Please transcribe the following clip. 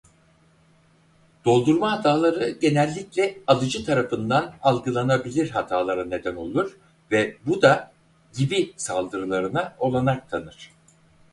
Doldurma hataları genellikle alıcı tarafında algılanabilir hatalara neden olur ve bu da gibi saldırılarına olanak tanır.